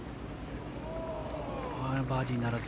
バーディーならず。